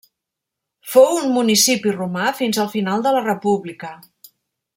Fou municipi romà fins al final de la República.